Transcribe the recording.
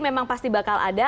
memang pasti bakal ada